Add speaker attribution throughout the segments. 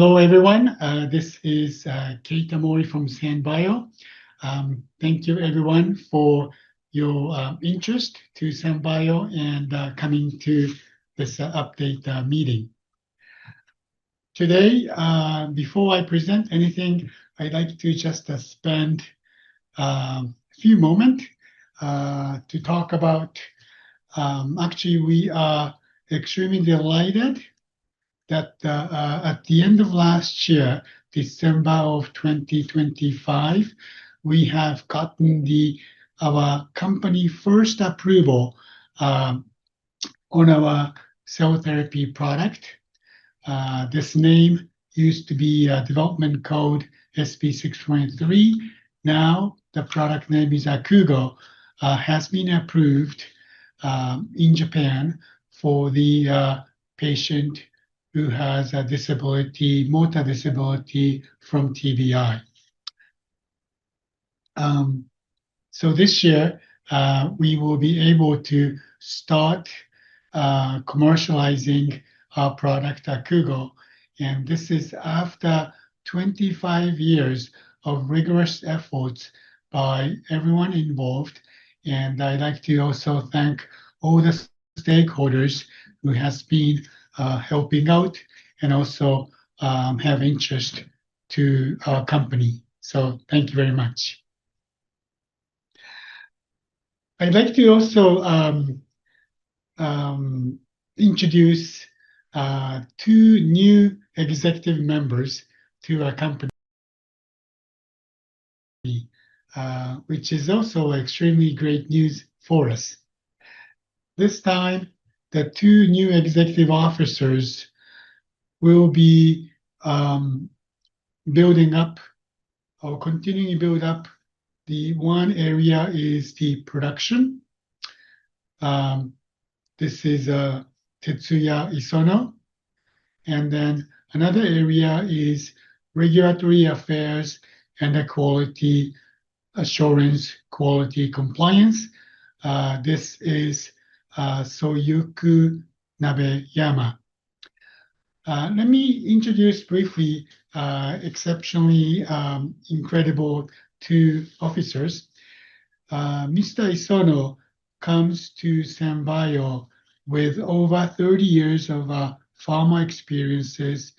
Speaker 1: Hello, everyone. This is Keita Mori from SanBio. Thank you everyone for your interest in SanBio and coming to this update meeting. Today, before I present anything, I'd like to just spend a few moments to talk about actually we are extremely delighted that at the end of last year, December 2025, we have gotten our company's first approval on our cell therapy product. This name used to be a development code SB623, now the product name is AKUUGO, has been approved in Japan for the patient who has a disability, motor disability from TBI. This year, we will be able to start commercializing our product AKUUGO, and this is after 25 years of rigorous efforts by everyone involved. I'd like to also thank all the stakeholders who has been helping out and also have interest to our company. So thank you very much. I'd like to also introduce two new executive members to our company, which is also extremely great news for us. This time, the two new Executive Officers will be building up or continuing to build up. The one area is the production. This is Tetsuya Isono. Then another area is regulatory affairs and the quality assurance, quality compliance. This is Soyoku Nobeyama. Let me introduce briefly exceptionally incredible two officers. Mr. Isono comes to SanBio with over 30 years of pharma experiences,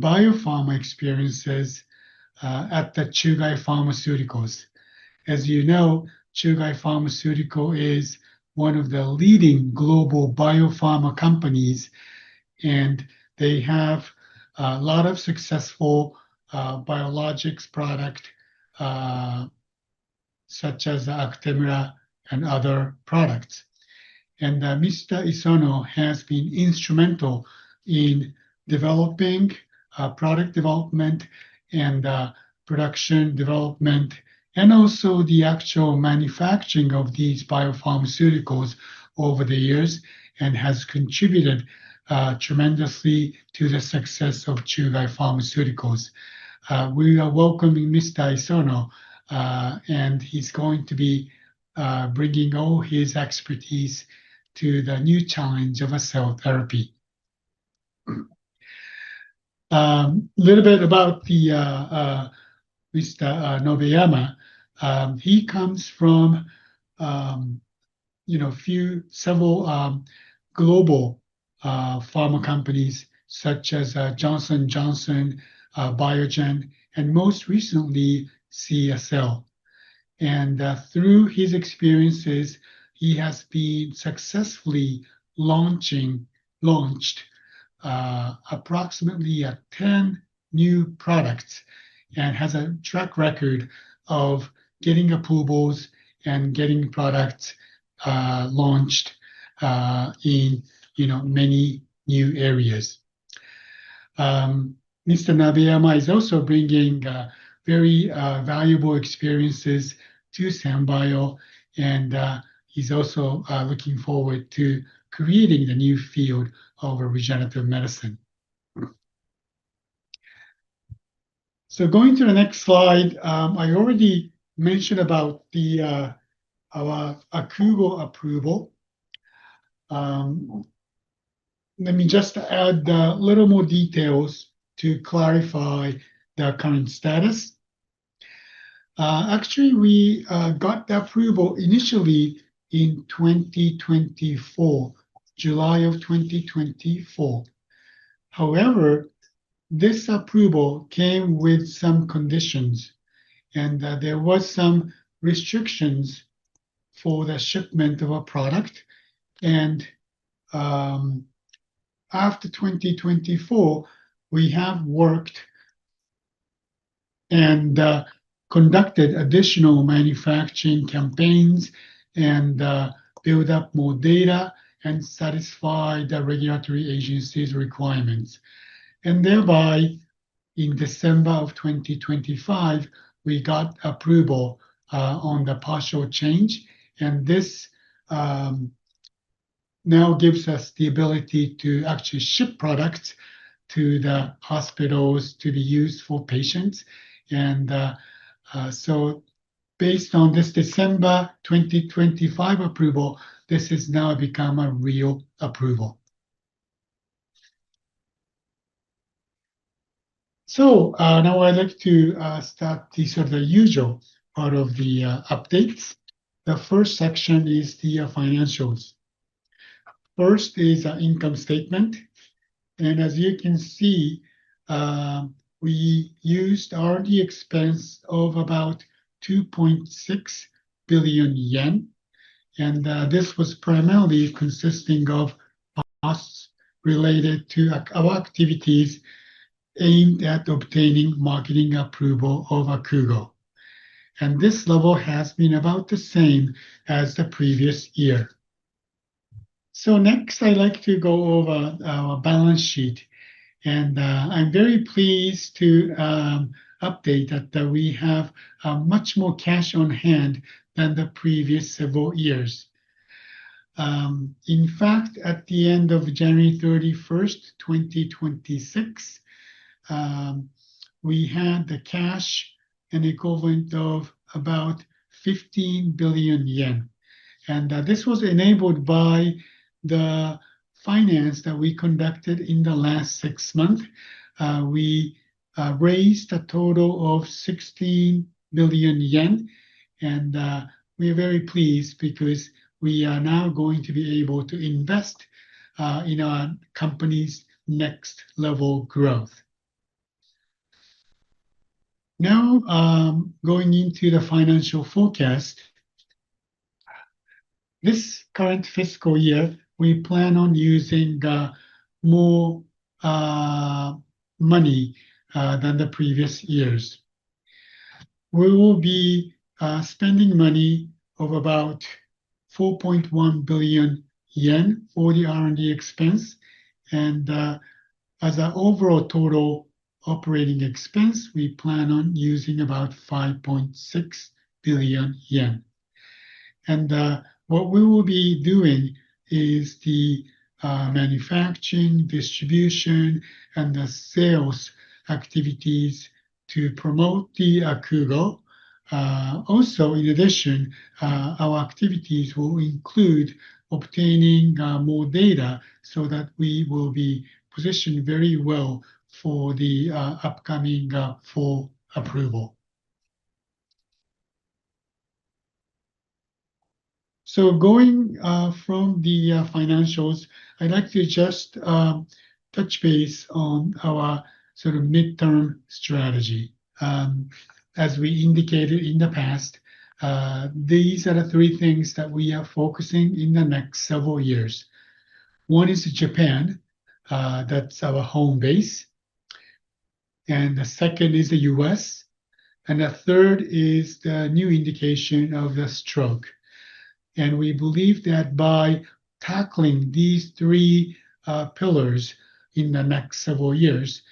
Speaker 1: biopharma experiences at the Chugai Pharmaceutical. As you know, Chugai Pharmaceutical is one of the leading global biopharma companies, and they have a lot of successful, biologics product, such as Actemra and other products. Mr. Isono has been instrumental in developing, product development and, production development, and also the actual manufacturing of these biopharmaceuticals over the years, and has contributed, tremendously to the success of Chugai Pharmaceuticals. We are welcoming Mr. Isono, and he's going to be, bringing all his expertise to the new challenge of a cell therapy. Little bit about the, Mr. Nobeyama. He comes from, you know, several, global, pharma companies such as, Johnson & Johnson, Biogen, and most recently CSL. Through his experiences, he has successfully launched approximately 10 new products and has a track record of getting approvals and getting products launched in, you know, many new areas. Mr. Soyoku Nobeyama is also bringing very valuable experiences to SanBio, and he's also looking forward to creating the new field of regenerative medicine. Going to the next slide. I already mentioned about our AKUUGO approval. Let me just add a little more details to clarify the current status. Actually, we got the approval initially in 2024, July 2024. However, this approval came with some conditions, and there was some restrictions for the shipment of our product. After 2024, we have worked and conducted additional manufacturing campaigns and built up more data and satisfied the regulatory agencies' requirements. Thereby, in December 2025, we got approval on the partial change, and this now gives us the ability to actually ship product to the hospitals to be used for patients. Based on this December 2025 approval, this has now become a real approval. Now I'd like to start the sort of usual part of the updates. The first section is the financials. First is our income statement. As you can see, we used R&D expense of about 2.6 billion yen, and this was primarily consisting of costs related to our activities aimed at obtaining marketing approval of AKUUGO. This level has been about the same as the previous year. Next, I'd like to go over our balance sheet. I'm very pleased to update that we have much more cash on hand than the previous several years. In fact, at the end of January 31, 2026, we had cash and equivalents of about 15 billion yen. This was enabled by the financing that we conducted in the last six months. We raised a total of 16 billion yen, and we are very pleased because we are now going to be able to invest in our company's next level growth. Now, going into the financial forecast. This current fiscal year, we plan on using more money than the previous years. We will be spending money of about 4.1 billion yen for the R&D expense. As our overall total operating expense, we plan on using about 5.6 billion yen. What we will be doing is the manufacturing, distribution, and the sales activities to promote the AKUUGO. Also in addition, our activities will include obtaining more data, so that we will be positioned very well for the upcoming full approval. Going from the financials, I'd like to just touch base on our sort of midterm strategy. As we indicated in the past, these are the three things that we are focusing in the next several years. One is Japan, that's our home base. The second is the U.S., and the third is the new indication of the stroke. We believe that by tackling these three pillars in the next several years,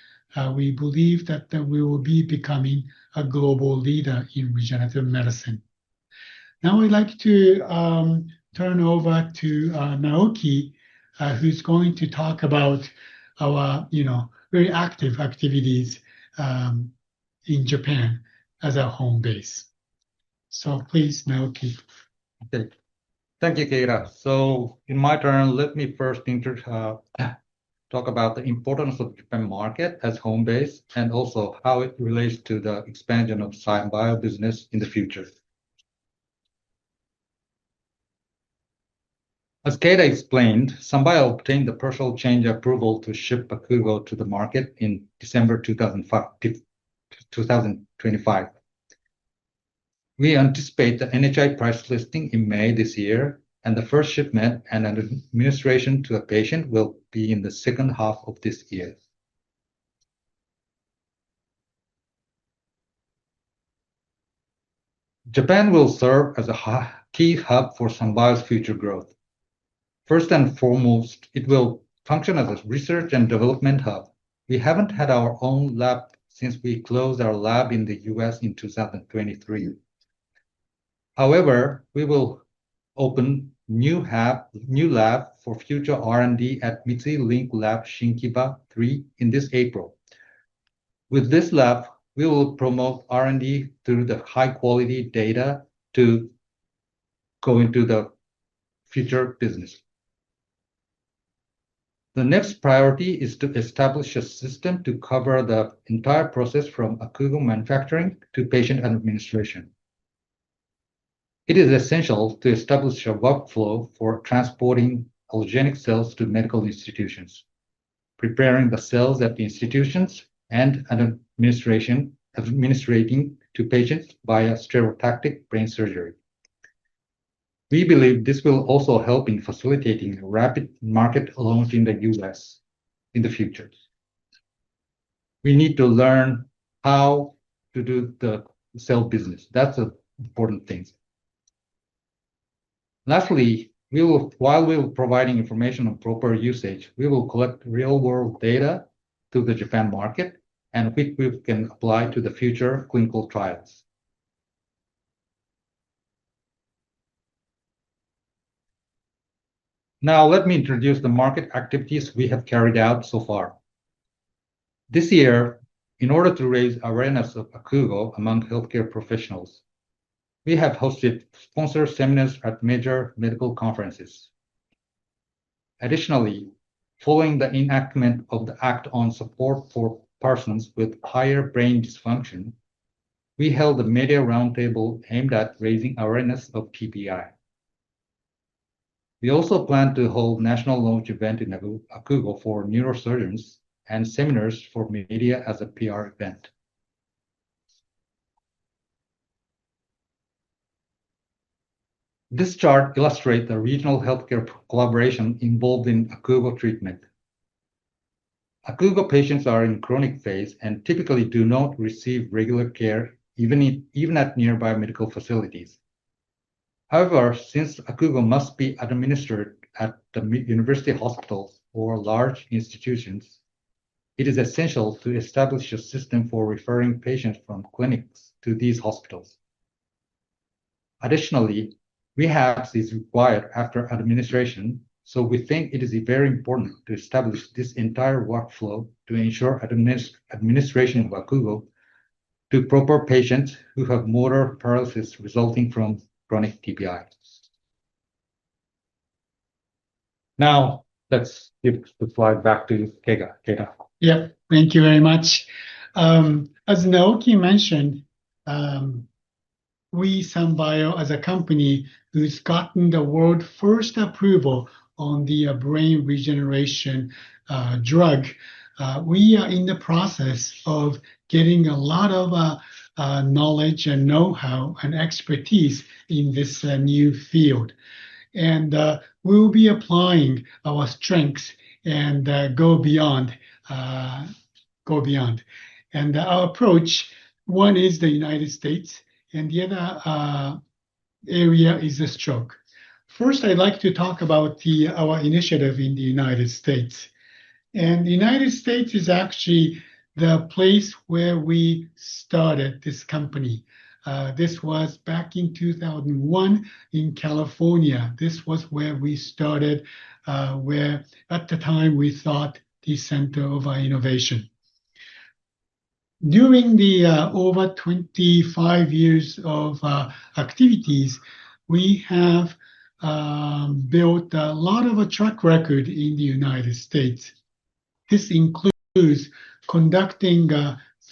Speaker 1: we believe that we will be becoming a global leader in regenerative medicine. Now I'd like to turn over to Naoki, who's going to talk about our, you know, very active activities, in Japan as our home base. Please, Naoki.
Speaker 2: Thank you, Keita. In my turn, let me first talk about the importance of Japan market as home base, and also how it relates to the expansion of SanBio business in the future. As Keita explained, SanBio obtained the partial change approval to ship AKUUGO to the market in December 2025. We anticipate the NHI price listing in May this year, and the first shipment and administration to a patient will be in the second half of this year. Japan will serve as a key hub for SanBio's future growth. First and foremost, it will function as a research and development hub. We haven't had our own lab since we closed our lab in the U.S. in 2023. However, we will open new lab for future R&D at MITSUI LINK-Lab SHINKIBA 3 in this April. With this lab, we will promote R&D through the high-quality data to go into the future business. The next priority is to establish a system to cover the entire process from AKUUGO manufacturing to patient administration. It is essential to establish a workflow for transporting allogeneic cells to medical institutions, preparing the cells at the institutions and administrating to patients via stereotactic brain surgery. We believe this will also help in facilitating rapid market launch in the U.S. in the future. We need to learn how to do the cell business. That's important things. Lastly, while we are providing information on proper usage, we will collect real-world data to the Japan market, and which we can apply to the future clinical trials. Now let me introduce the market activities we have carried out so far. This year, in order to raise awareness of AKUUGO among healthcare professionals, we have hosted sponsor seminars at major medical conferences. Additionally, following the enactment of the Act on Support for Persons with Higher Brain Dysfunction, we held a media roundtable aimed at raising awareness of TBI. We also plan to hold national launch event in AKUUGO for neurosurgeons and seminars for media as a PR event. This chart illustrates the regional healthcare collaboration involved in AKUUGO treatment. AKUUGO patients are in chronic phase and typically do not receive regular care even at nearby medical facilities. However, since AKUUGO must be administered at the major university hospitals or large institutions, it is essential to establish a system for referring patients from clinics to these hospitals. Additionally, rehab is required after administration, so we think it is very important to establish this entire workflow to ensure administration of AKUUGO to proper patients who have motor paralysis resulting from chronic TBI. Now let's give the slide back to Keita. Keita?
Speaker 1: Yeah. Thank you very much. As Naoki mentioned, we, SanBio, as a company who's gotten the world first approval on the brain regeneration drug, we are in the process of getting a lot of knowledge and know-how and expertise in this new field. We will be applying our strengths and go beyond. Our approach, one is the United States and the other area is the stroke. First, I'd like to talk about our initiative in the United States. The United States is actually the place where we started this company. This was back in 2001 in California. This was where we started, where at the time we thought the center of our innovation. During the over 25 years of activities, we have built a lot of a track record in the United States. This includes conducting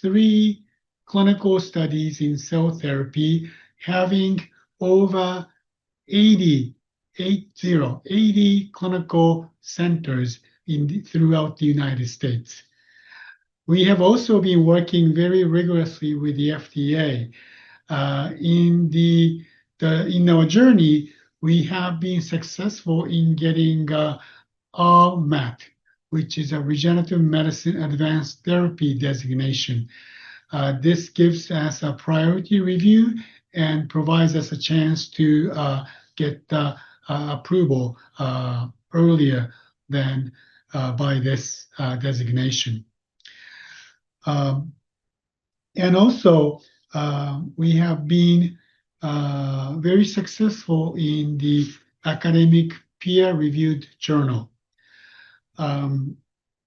Speaker 1: three clinical studies in cell therapy, having over 80 clinical centers throughout the United States. We have also been working very rigorously with the FDA. In our journey, we have been successful in getting RMAT, which is a Regenerative Medicine Advanced Therapy designation. This gives us a priority review and provides us a chance to get approval earlier than by this designation. We have been very successful in the academic peer-reviewed journal.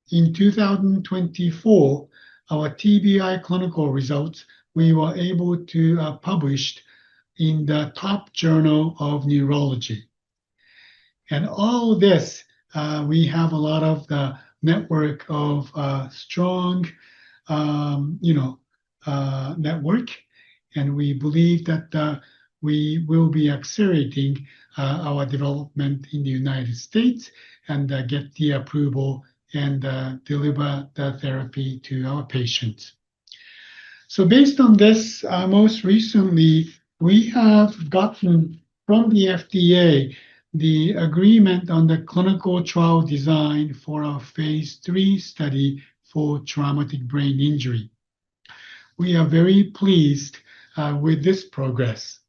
Speaker 1: In 2024, our TBI clinical results, we were able to publish in the top journal of neurology. All this, we have a lot of network of strong network and we believe that we will accelerating our development in the United States and get the approval and deliver that theraphy to our patients. Based on this most recently we have gotten from the FDA, the agreement on the clinical trial design for a phase III study for traumatic brain injury. We are very pleased with this progress.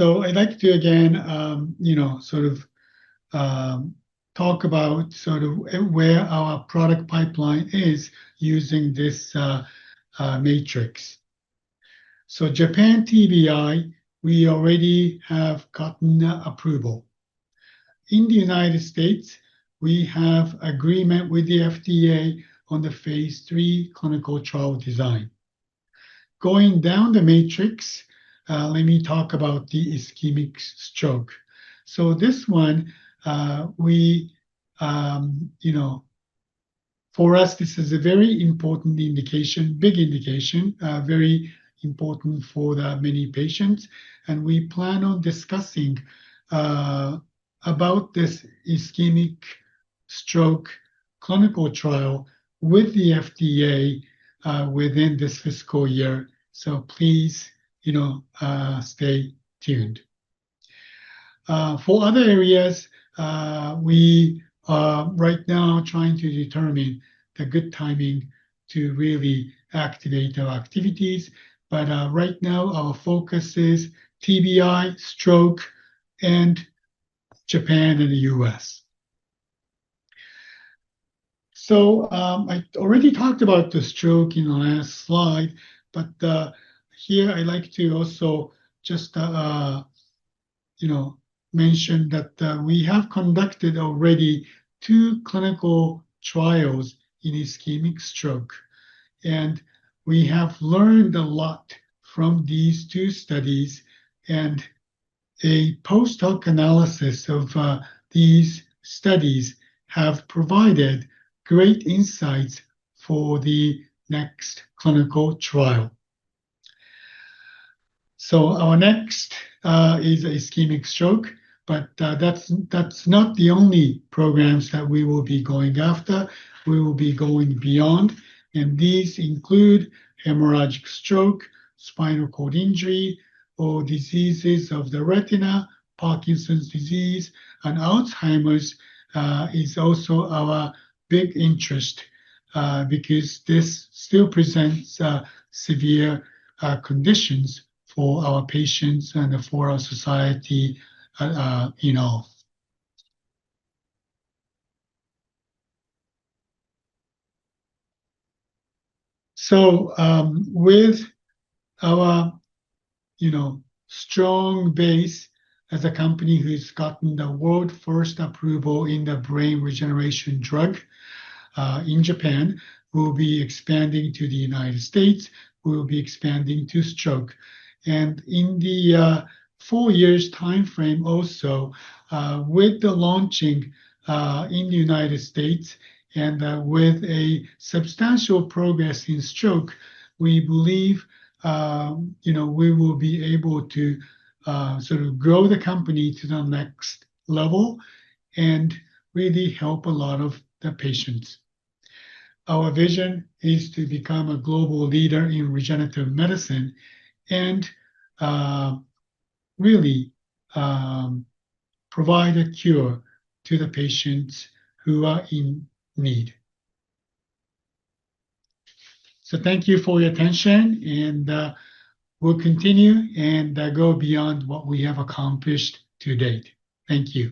Speaker 1: I'd like to again, to talk about, where our product pipeline is using this matrix. So, Japan TBI we already got an approval. In the United States, we have agreement with the FDA on the phase III clinical trial design. Going down the matrix, let me talk about ischemic stroke. This one, you know, for us, this is a very important indication, big indication, very important for the many patients, and we plan on discussing about this ischemic stroke clinical trial with the FDA within this fiscal year. Please, you know, stay tuned. For other areas, we are right now trying to determine the good timing to really activate our activities, but right now our focus is TBI, stroke, and Japan and the U.S. I already talked about the stroke in the last slide, but here I'd like to also just you know, mention that we have conducted already two clinical trials in ischemic stroke, and we have learned a lot from these two studies. A post-hoc analysis of these studies have provided great insights for the next clinical trial. Our next is ischemic stroke, but that's not the only programs that we will be going after. We will be going beyond, and these include hemorrhagic stroke, spinal cord injury, or diseases of the retina. Parkinson's disease and Alzheimer's is also our big interest, because this still presents severe conditions for our patients and for our society, you know. With our strong base as a company who's gotten the world-first approval in the brain regeneration drug in Japan, we'll be expanding to the United States, we'll be expanding to stroke. In the four-year timeframe also, with the launching in the United States and with substantial progress in stroke, we believe, you know, we will be able to sort of grow the company to the next level and really help a lot of the patients. Our vision is to become a global leader in regenerative medicine and really provide a cure to the patients who are in need. Thank you for your attention, and we'll continue and go beyond what we have accomplished to date. Thank you.